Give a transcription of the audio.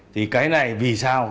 thì cái này vì sao